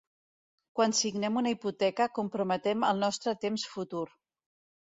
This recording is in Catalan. Quan signem una hipoteca comprometem el nostre temps futur.